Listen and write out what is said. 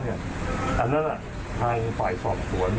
อันนั้นทางฝ่ายสอบสวน